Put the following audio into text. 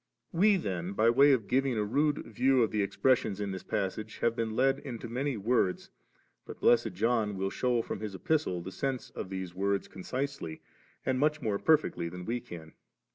We then, by way of giving a rude view of the expressions in this passage, have been led into many words, but blessed John will shew from his Epistle the sense of the words, concisely and much more perfectly than we can.